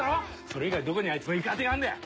それ以外どこにあいつの行く当てがあんだよ？